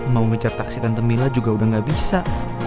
mau mejar taksi tante mila juga udah gak bisa